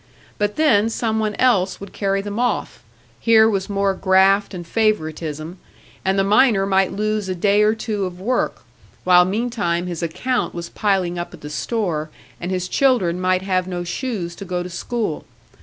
But then some one else would carry them off here was more graft and favouritism, and the miner might lose a day or two of work, while meantime his account was piling up at the store, and his children might have no shoes to go to school.